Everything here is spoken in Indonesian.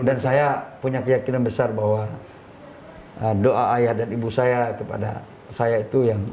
dan saya punya keyakinan besar bahwa doa ayah dan ibu saya kepada saya itu yang